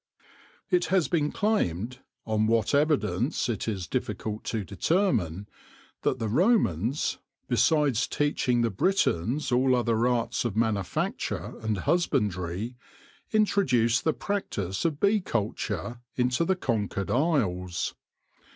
It has been claimed — on what evidence it is difficult to determine — that the Romans, besides THE ISLE OF HONEY 15 teaching the Britons all other arts of manufacture and husbandry, introduced the practice of bee culture into the conquered isles.